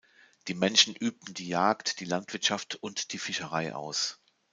Die Menschen übten die Jagd, die Landwirtschaft und die Fischerei aus.